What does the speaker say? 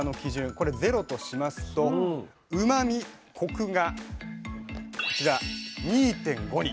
これ０としますとうまみ・コクがこちら２．５に。